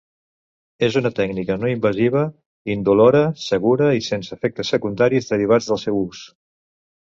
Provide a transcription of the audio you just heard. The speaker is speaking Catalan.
És una tècnica no invasiva, indolora, segura i sense efectes secundaris derivats del seu ús.